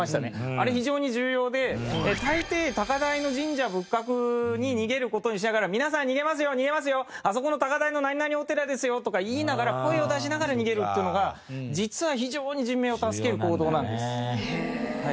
あれ非常に重要で大抵高台の神社仏閣に逃げる事にしながら皆さん逃げますよ逃げますよあそこの高台の何々お寺ですよとか言いながら声を出しながら逃げるっていうのが実は非常に人命を助ける行動なんです。